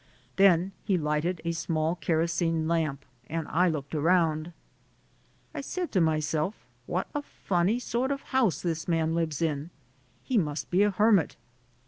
Then he lighted a small kerosene lamp, and I looked around. I said to myself, "What a funny sort of house this man lives in ; he must be a hermit."